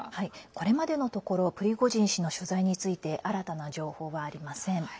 これまでのところプリゴジン氏の所在について新たな情報はありません。